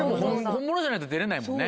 本物じゃないと出れないもんね。